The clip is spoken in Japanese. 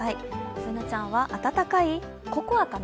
Ｂｏｏｎａちゃんは温かいココアかな？